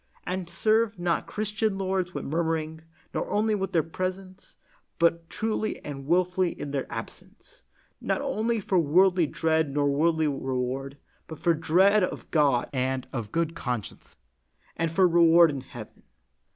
And serve not Christian lords with murmuring, nor only in their presence, but truly and wilfully in their absence, not only for worldly dread nor worldly reward, but for dread of God and good conscience, and for reward in heaven.